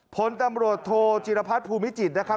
ผลตำรวจโทจิรพัฒน์ภูมิจิตรนะครับ